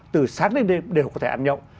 từ sáng đến đêm đều có thể ăn nhậu